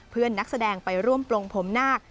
นักแสดงไปร่วมปลงผมนาค